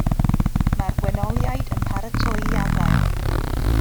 Mae'r gwenoliaid yn paratoi i adael.